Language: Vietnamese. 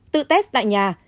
tự test tại nhà